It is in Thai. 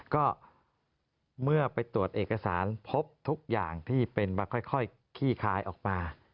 ก็เมื่อไปตรวจเอกสารพบทุกอย่างที่เป็นมาค่อยขี้คลายออกมา